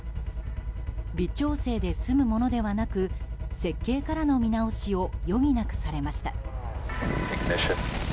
微調整で済むものではなく設計からの見直しを余儀なくされました。